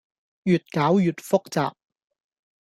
越攪越複雜